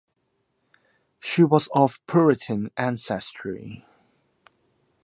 She was of Puritan ancestry.